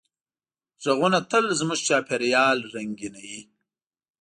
غږونه تل زموږ چاپېریال رنګینوي.